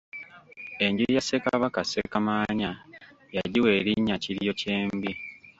Enju ya Ssekabaka Ssekamaanya yagiwa elinnya Kiryokyembi.